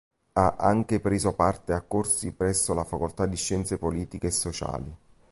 Ha anche preso parte a corsi presso la Facoltà di Scienze Politiche e sociali.